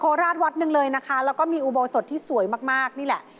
ราชวัดหนึ่งเลยนะคะแล้วก็มีอุโบสถที่สวยมากมากนี่แหละ